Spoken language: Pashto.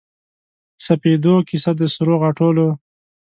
سپیدو کیسه د سروغاټولو